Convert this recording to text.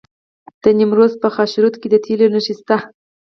د نیمروز په خاشرود کې د تیلو نښې شته.